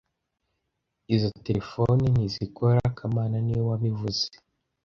Izo terefone ntizikora kamana niwe wabivuze